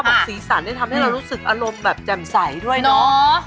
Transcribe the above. สีสันทำให้เรารู้สึกอารมณ์แบบแจ่มใสด้วยเนาะ